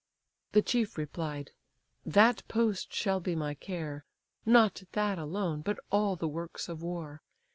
The chief replied: "That post shall be my care, Not that alone, but all the works of war.